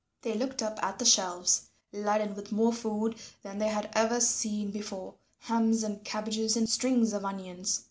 They looked up at the shelves, laden with more food than they had ever seen before hams and cabbages and strings of onions.